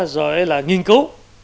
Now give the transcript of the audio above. rồi đây là nghiên cứu